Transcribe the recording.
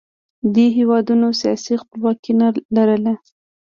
دې هېوادونو سیاسي خپلواکي نه لرله